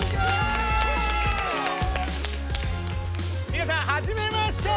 みなさんはじめまして！